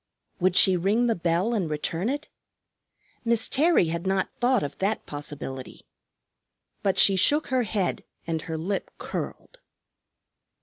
Would she ring the bell and return it? Miss Terry had not thought of that possibility. But she shook her head and her lip curled.